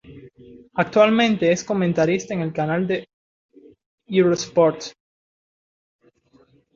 Actualmente es comentarista en el canal de Eurosport.